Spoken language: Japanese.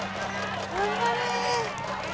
頑張れ。